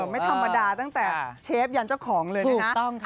ไม่ธรรมดาตั้งแต่เชฟยันเจ้าของเลยนะ